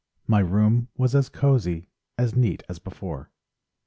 My room was as cosy, As neat as before.